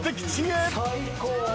最高。